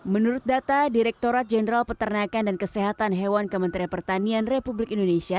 menurut data direkturat jenderal peternakan dan kesehatan hewan kementerian pertanian republik indonesia